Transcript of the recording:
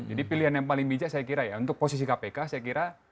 jadi pilihan yang paling bijak saya kira ya untuk posisi kpk saya kira